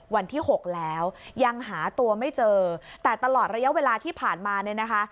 วันที่หกแล้วยังหาตัวไม่เจอแต่ตลอดระยะเวลาที่ผ่านมาเนี่ยนะคะ